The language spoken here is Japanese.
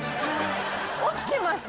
「起きてます？」